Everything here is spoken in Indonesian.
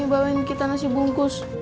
bawain kita nasi bungkus